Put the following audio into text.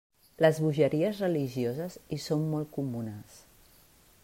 Les bogeries religioses hi són molt comunes.